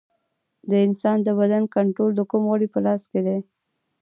د انسان د بدن کنټرول د کوم غړي په لاس کې دی